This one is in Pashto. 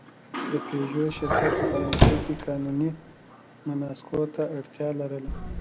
د پيژو شرکت په فرانسې کې قانوني مناسکو ته اړتیا لرله.